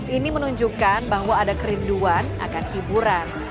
ini menunjukkan bahwa ada kerinduan akan hiburan